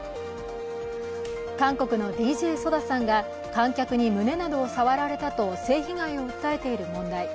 韓国のＤＪＳＯＤＡさんが観客に胸などを触られたと性被害を訴えている問題。